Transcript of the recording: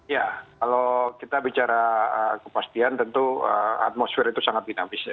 ya kalau kita bicara kepastian tentu atmosfer itu sangat dinamis ya